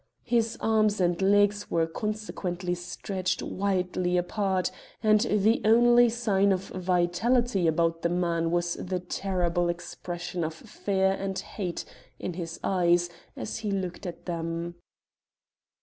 His arms and legs were consequently stretched widely apart, and the only sign of vitality about the man was the terrible expression of fear and hate in his eyes as he looked at them.